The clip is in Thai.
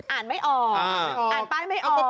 อ่านไม่ออกอ่านป้ายไม่ออก